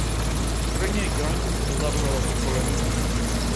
Трња и гранки ми се забиле во потколениците.